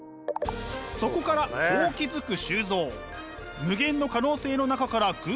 そこからこう気付く周造。